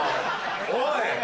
おい！